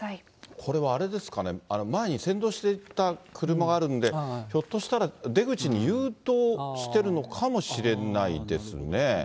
これはあれですかね、前に先導していた車があるんで、ひょっとしたら出口に誘導してるのかもしれないですね。